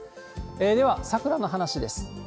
では、桜の話です。